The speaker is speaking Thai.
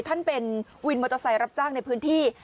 ท่านเป็นวินมอเตอร์ไซค์รับจ้างในพื้นที่